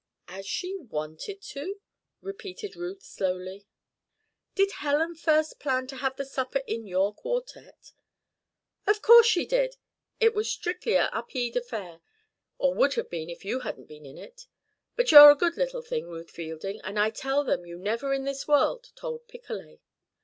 "As she wanted to?" repeated Ruth, slowly. "Did Helen first plan to have the supper in your quartette?" "Of course she did. It was strictly a Upede affair or would have been if you hadn't been in it. But you're a good little thing, Ruth Fielding, and I tell them you never in this world told Picolet."